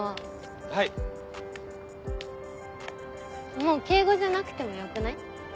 もう敬語じゃなくてもよくない？